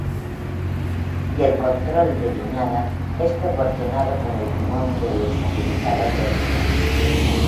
Y el control de guiñada es proporcionado por el timón del estabilizador vertical.